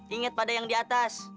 ingat pada yang di atas